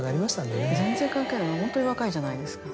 全然関係ないホントに若いじゃないですか。